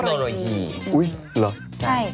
รู้เท่าทันสร้างสรรค์เทคโนโลยี